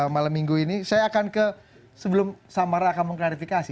malam minggu ini saya akan ke sebelum samara akan mengklarifikasi